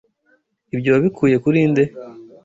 Ibyo wabikuye kuri nde?